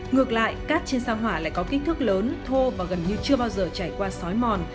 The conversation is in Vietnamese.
ngược lại cát trên sao hỏa lại có kích thước lớn thô và gần như chưa bao giờ trải qua sói mòn